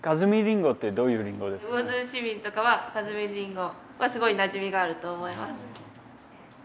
魚津市民とかは加積りんごはすごいなじみがあると思います。